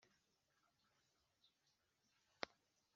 Saro ritatse umutima wanjye